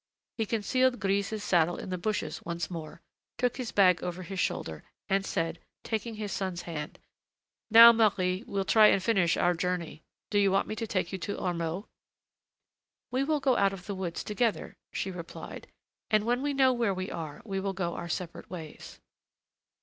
He concealed Grise's saddle in the bushes once more, took his bag over his shoulder, and said, taking his son's hand: "Now, Marie, we'll try and finish our journey. Do you want me to take you to Ormeaux?" "We will go out of the woods together," she replied, "and when we know where we are, we will go our separate ways."